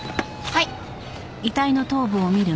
はい。